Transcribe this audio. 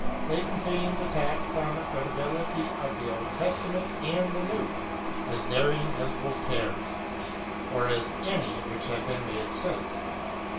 They contained attacks on the credibility of the Old Testament and of the New as daring as Voltaire's, or as any which have been made since.